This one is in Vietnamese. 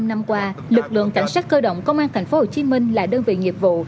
bốn mươi năm năm qua lực lượng cảnh sát cơ động công an tp hcm là đơn vị nhiệp vụ